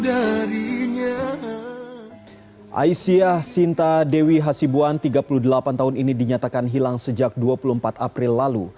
aisyah sinta dewi hasibuan tiga puluh delapan tahun ini dinyatakan hilang sejak dua puluh empat april lalu